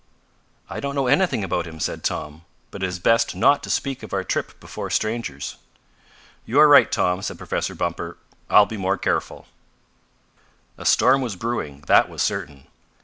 "I don't know anything about him," said Tom; "but it is best not to speak of our trip before strangers." "You are right, Tom," said Professor Bumper. "I'll be more careful." A storm was brewing, that was certain.